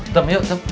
tem yuk tem